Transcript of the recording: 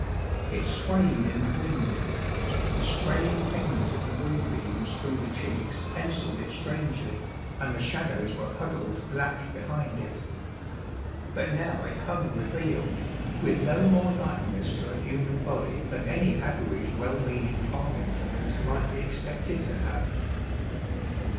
It swayed in the wind. The straying fingers of the moonbeams through the chinks pencilled it strangely, and the shadows were huddled black behind it. But now it hung revealed, with no more likeness to a human body than any average well meaning farm implement might be expected to have.